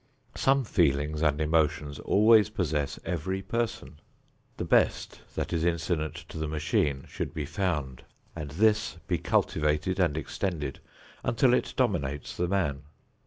Some feelings and emotions always possess every person. The best that is incident to the machine should be found and this be cultivated and extended until it dominates the man.